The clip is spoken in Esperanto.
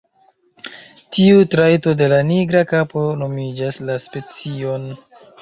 Tiu trajto de la nigra kapo nomigas la specion.